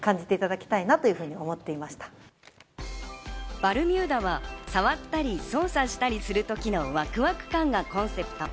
バルミューダは触ったり操作したりするときのワクワク感がコンセプト。